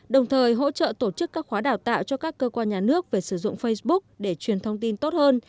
đồng thời hỗ trợ tổ chức các khóa đào tạo cho các cơ quan nhà nước về sử dụng facebook để truyền thông tin tốt hơn